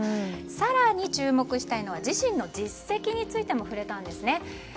更に注目したいのは自身の実績についても触れたんです。